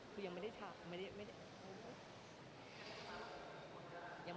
ก็ยังไม่ได้ถ่ายทาง